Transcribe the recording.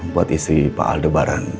buat istri pak aldebaran